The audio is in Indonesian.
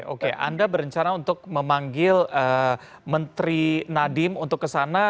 oke anda berencana untuk memanggil menteri nadiem untuk kesana